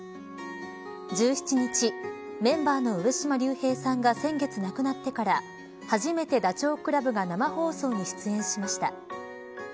１７日メンバーの上島竜兵さんが先月、亡くなってから初めて、ダチョウ倶楽部が生放送に出演しました。